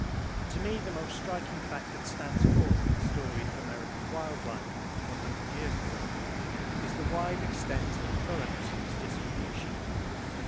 To me the most striking fact that stands forth in the story of American wild life one hundred years ago is the wide extent and thoroughness of its distribution.